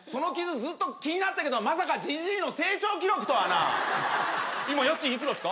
ずっと気になってたけどまさかじじいの成長記録とはな今家賃いくらっすか？